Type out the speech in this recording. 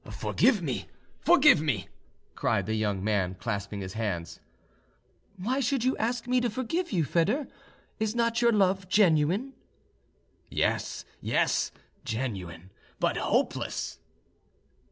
"Forgive me, forgive me," cried the young man, clasping his hands. "Why should you ask me to forgive you, Foedor? Is not your love genuine?" "Yes, yes, genuine but hopeless."